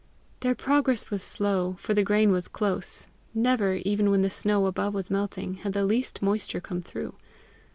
Their progress was slow, for the grain was close: never, even when the snow above was melting, had the least moisture come through.